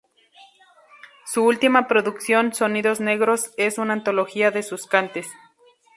Su última producción "Sonidos negros" es una antología de sus cantes.